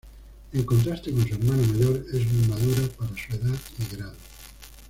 En contraste con su hermano mayor, es muy madura para su edad y grado.